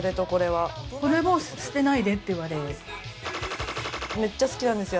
これも捨てないでって言われてめっちゃ好きなんですよ